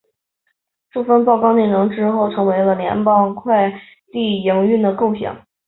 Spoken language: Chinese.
这份报告的内容之后成为了联邦快递营运的构想。